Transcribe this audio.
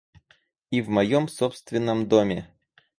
И в моем собственном доме!